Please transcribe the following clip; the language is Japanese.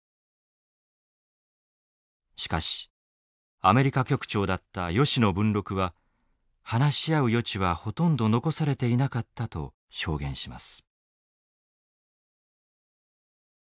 しかしアメリカ局長だった吉野文六は話し合う余地はほとんど残されていなかったと証言します。